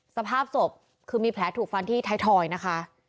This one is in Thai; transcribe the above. สภาพศพคือมีแผลถูกฟันที่ท้ายทอยนะคะ